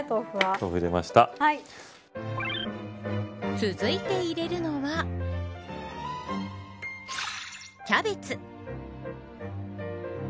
続いて入れるのはキャベツ。